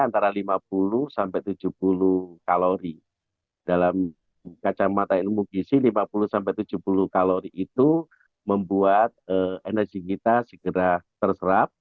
antara lima puluh sampai tujuh puluh kalori dalam kacamata ilmu gisi lima puluh tujuh puluh kalori itu membuat energi kita segera terserap